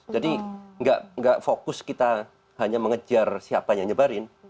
nggak fokus kita hanya mengejar siapa yang nyebarin